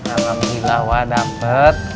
alhamdulillah wak dapet